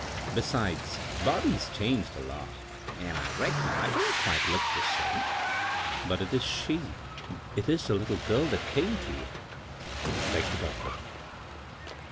Besides, Bobby's changed a lot, an' I reckon I don't took quite the same." " But it is she— it is the little girl that came to you ?" begged the doctor.